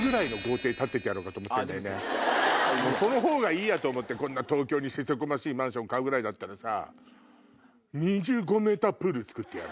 その方がいいやと思ってこんな東京にせせこましいマンション買うぐらいだったらさ。